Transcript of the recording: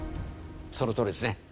そのとおりですね。